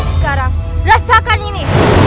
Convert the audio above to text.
sekarang rasakan ini